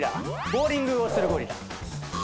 ボーリングをするゴリラ。